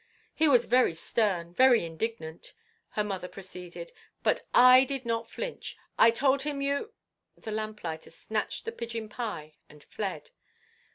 "He was very stern, very indignant," her mother proceeded; "but I did not flinch. I told him you—" The lamplighter snatched the pigeon pie and fled.